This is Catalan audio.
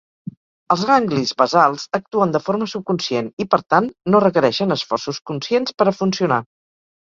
Els ganglis basals actuen de forma subconscient i, per tant, no requereixen esforços conscients per a funcionar.